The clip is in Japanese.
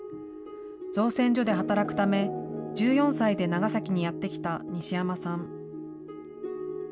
造船所で働くため、１４歳で長崎にやって来た西山さん。